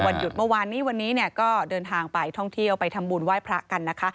วันหยุดเมื่อวานวันนี้ก็เดินทางไปท่องที่เอาไปทำบุญไหว้พระกันนะคะ